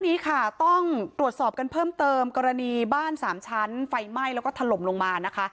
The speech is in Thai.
ทีนี้ค่ะต้องตรวจสอบกันเพิ่มเติมกรณีบ้านสามชั้นไฟไหม้แล้วก็ถล่มลงมานะคะ